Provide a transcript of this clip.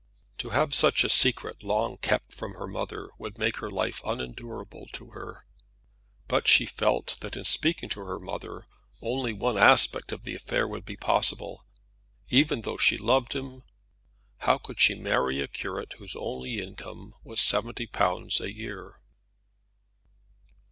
To have such a secret long kept from her mother would make her life unendurable to her. But she felt that, in speaking to her mother, only one aspect of the affair would be possible. Even though she loved him, how could she marry a curate whose only income was seventy pounds a year?